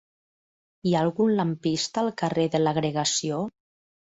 Hi ha algun lampista al carrer de l'Agregació?